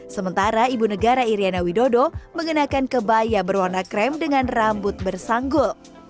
sementara ibu negara iryana widodo mengenakan kebaya berwarna krem dengan rambut bersanggul